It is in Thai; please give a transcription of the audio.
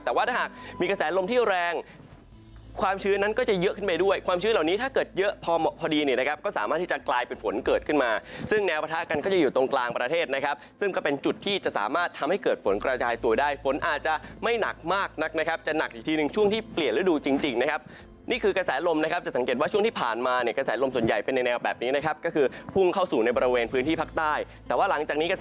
แต่ว่าถ้าหากมีกระแสลมที่แรงความชื้นนั้นก็จะเยอะขึ้นไปด้วยความชื้นเหล่านี้ถ้าเกิดเยอะพอดีเนี่ยนะครับก็สามารถที่จะกลายเป็นฝนเกิดขึ้นมาซึ่งแนวประทะกันก็จะอยู่ตรงกลางประเทศนะครับซึ่งก็เป็นจุดที่จะสามารถทำให้เกิดฝนกระจายตัวได้ฝนอาจจะไม่หนักมากนะครับจะหนักอีกทีหนึ่งช่วงที่เปล